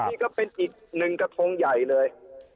นี่ก็เป็นอีกหนึ่งกระทงใหญ่เลย